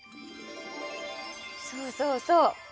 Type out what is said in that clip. そうそうそう。